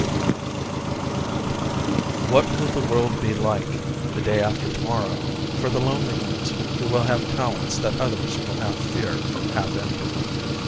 net _What will the world be like, the day after Tomorrow, for the lonely ones who will have talents that others will half fear, half envy?